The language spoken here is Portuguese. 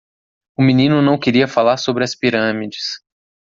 O menino não queria falar sobre as pirâmides.